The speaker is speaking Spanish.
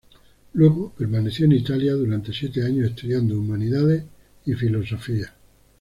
Luego permaneció en Italia durante siete años estudiando humanidades y filosofía.